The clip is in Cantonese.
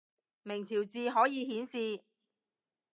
明朝字可以顯示